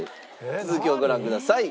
続きをご覧ください。